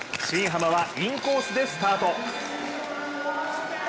新濱はインコースでスタート。